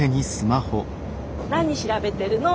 何調べてるの？